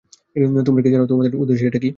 তোমরা কি জান, তোমাদের ঊর্ধ্বদেশে এটা কী?